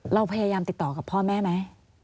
เราพยายามติดต่อกับพ่อแม่ไหม